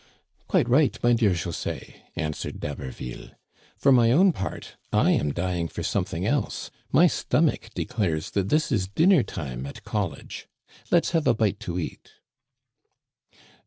" Quite right, my dear José/* answered D*Haberville. For my own part, I am dying for something else. My stomach declares that this is dinner hour at college. Let's have a bite to eat."